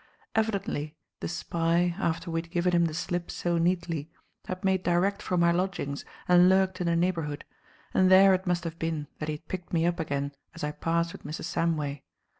Evidently the spy, after we had given him the slip so neatly, had made direct for my lodgings and lurked in the neighbourhood, and there it must have been that he had picked me up again as I passed with Mrs. Samway.